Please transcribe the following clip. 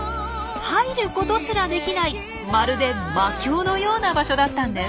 入ることすらできないまるで魔境のような場所だったんです。